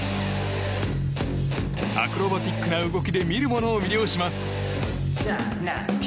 アクロバティックな動きで見る者を魅了します。